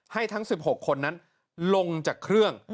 ให้ทั้ง๑๖คนนั้นลงจากเครื่อง